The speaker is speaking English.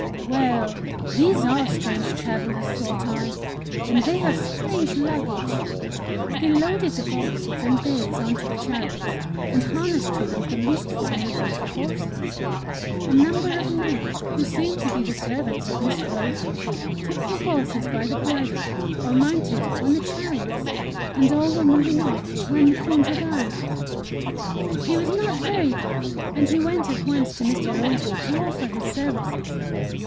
Well, these are strange travellers, thought I and they have strange luggage! They loaded the boxes and bales onto the chariots, and harnessed to them the least fine looking of the horses; a number of men, who seemed to be the servants of Mr. Oldham, took the horses by the bridle, or mounted on the chariots, and all were moving off, when Moukounj arrived! He was not very drunk, and he went at once to Mr. Oldham to offer his services.